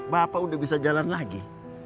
bapak udah bisa jalan lagi